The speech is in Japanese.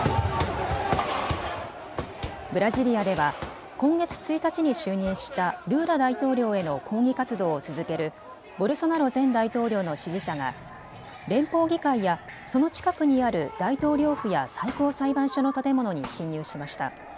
ブラジリアでは今月１日に就任したルーラ大統領への抗議活動を続けるボルソナロ前大統領の支持者が連邦議会やその近くにある大統領府や最高裁判所の建物に侵入しました。